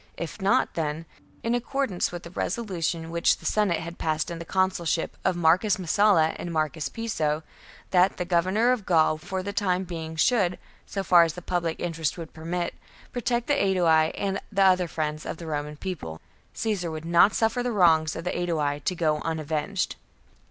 If not, then, in accordance with the resolution which the Senate had passed in the consulship of Marcus Messala and Marcus Piso — that the Governor of Gaul for the time being should, so far as the public interest would permit, protect the Aedui and the other friends of the Roman People — Caesar would not suffer the wrongs of the Aedui to go unavenged.